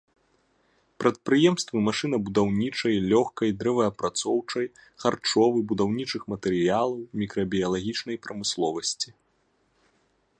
Прадпрыемствы машынабудаўнічай, лёгкай, дрэваапрацоўчай, харчовы, будаўнічых матэрыялаў, мікрабіялагічнай прамысловасці.